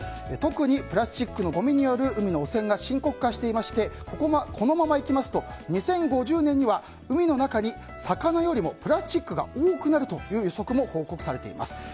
特にプラスチックのごみによる海の汚染が深刻化していましてこのままいきますと２０５０年には海の中に魚よりもプラスチックが多くなるという予測も報告されています。